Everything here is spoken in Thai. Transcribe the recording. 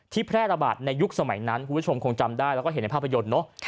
แพร่ระบาดในยุคสมัยนั้นคุณผู้ชมคงจำได้แล้วก็เห็นในภาพยนตร์เนอะ